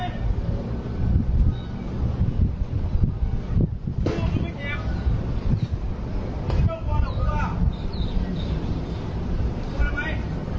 กลัวทำไม